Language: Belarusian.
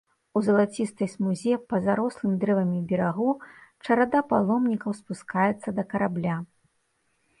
У залацістай смузе па зарослым дрэвамі берагу чарада паломнікаў спускаецца да карабля.